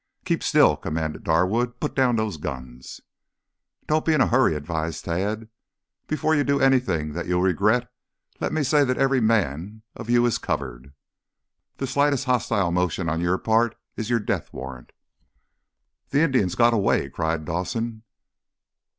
"Keep still!" commanded Darwood. "Put down those guns." "Don't be in a hurry," advised Tad. "Before you do anything that you'll regret, let me say that every man of you is covered. The slightest hostile motion on your part is your death warrant." "The Indian's got away!" cried Dawson.